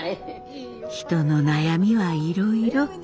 人の悩みはいろいろ。